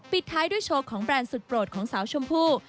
ปิดท้ายด้วยโชว์ของแบรนด์สุดโปรดของสาวชมพู่